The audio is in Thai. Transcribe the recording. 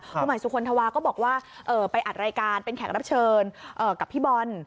คุณหมายสุคลธวาก็บอกว่าไปอัดรายการเป็นแขกรับเชิญกับพี่บอล